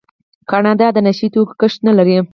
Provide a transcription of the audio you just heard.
کاناډا د نشه یي توکو کښت نلري.